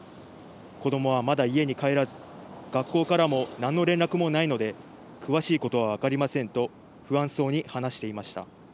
子どもはまだ家に帰らず学校からも何の連絡もないので詳しいことは分かりませんと不安そうに話していました。